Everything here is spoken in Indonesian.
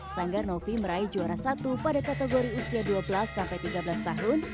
sanggar novi meraih juara satu pada kategori usia dua belas sampai tiga belas tahun